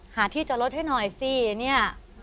หาที่จอดรถให้หน่อยสิ